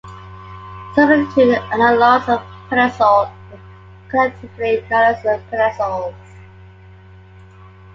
Substituted analogs of pentazole are collectively known as pentazoles.